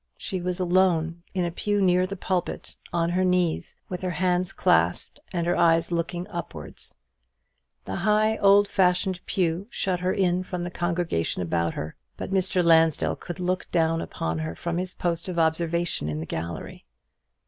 She was alone, in a pew near the pulpit, on her knees, with her hands clasped and her eyes looking upwards. The high old fashioned pew shut her in from the congregation about her, but Mr. Lansdell could look down upon her from his post of observation in the gallery.